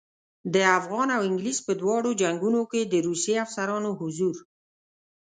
د افغان او انګلیس په دواړو جنګونو کې د روسي افسرانو حضور.